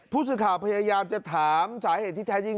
ผู้สื่อข่าวพยายามจะถามสาเหตุที่แท้จริง